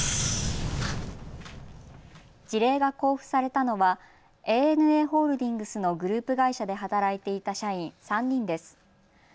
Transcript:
辞令が交付されたのはＡＮＡホールディングスのグループ会社で働いていた社員３人です。